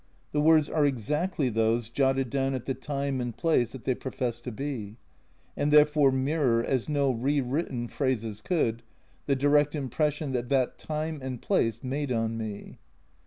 The words are exactly those jotted down at the time and place that they profess to be, and therefore mirror, as no rewritten phrases could, the direct impression that that time and place made on me.